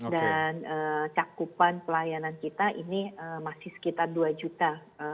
dan cakupan pelayanan kita ini masih sekitar dua juta